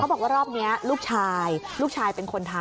บอกว่ารอบนี้ลูกชายลูกชายเป็นคนทำ